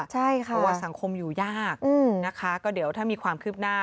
เพราะว่าสังคมอยู่ยากนะคะก็เดี๋ยวถ้ามีความคืบหน้า